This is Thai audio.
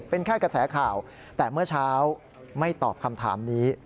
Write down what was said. เป็นแค่กระแสข่าวแต่เมื่อเช้าไม่ตอบคำถามนี้